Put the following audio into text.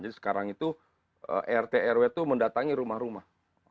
jadi sekarang itu rt rw itu mendatangi rumah rumah